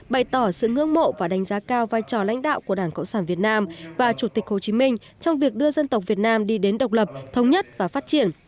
bày tỏ sự ngưỡng mộ và đánh giá cao vai trò lãnh đạo của đảng cộng sản việt nam và chủ tịch hồ chí minh trong việc đưa dân tộc việt nam đi đến độc lập thống nhất và phát triển